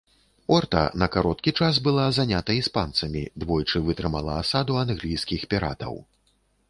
Орта на кароткі час была занята іспанцамі, двойчы вытрымала асаду англійскіх піратаў.